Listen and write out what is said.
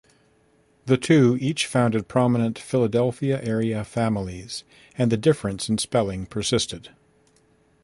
The two each founded prominent Philadelphia-area families, and the difference in spelling persisted.